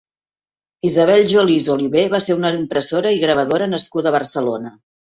Isabel Jolís Oliver va ser una impressora i gravadora nascuda a Barcelona.